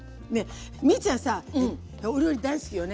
ミッちゃんさお料理大好きよね。